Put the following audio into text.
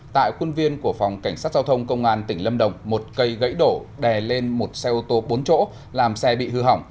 tại quân viên của phòng cảnh sát giao thông công an tỉnh lâm đồng một cây gãy đổ đè lên một xe ô tô bốn chỗ làm xe bị hư hỏng